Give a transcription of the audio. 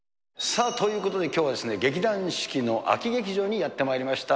さあ、ということできょうは劇団四季の秋劇場にやってまいりました。